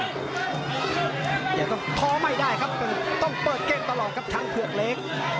ยังต้องท้อไม่ได้ครับต้องเปิดเก้งตลอดครับทั้งเผือกเล็ก